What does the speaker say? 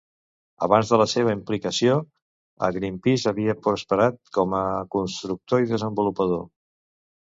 Abans de la seva implicació a Greenpeace havia prosperat com a constructor i desenvolupador.